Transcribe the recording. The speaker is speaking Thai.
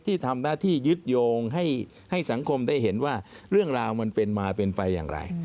ที่ทำหน้าที่ยึดโยงให้สังคมได้เห็นว่าเรื่องราวมันเป็นมาเป็นไปอย่างไร